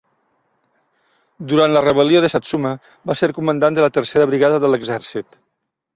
Durant la Rebel·lió de Satsuma, va ser comandant de la Tercera Brigada de l'Exèrcit.